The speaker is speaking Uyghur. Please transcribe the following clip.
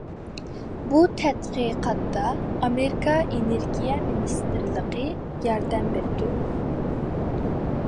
بۇ تەتقىقاتقا ئامېرىكا ئېنېرگىيە مىنىستىرلىقى ياردەم بېرىدۇ.